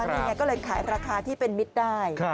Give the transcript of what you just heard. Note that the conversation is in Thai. นี่ไงก็เลยขายราคาที่เป็นมิตรได้